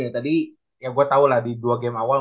tadi yang gua tau lah di dua game awal